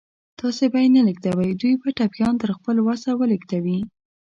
تاسې به یې نه لېږدوئ، دوی به ټپيان تر خپل وسه ولېږدوي.